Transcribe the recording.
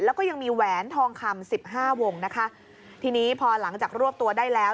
แล้วก็ยังมีแหวนทองคำสิบห้าวงนะคะทีนี้พอหลังจากรวบตัวได้แล้ว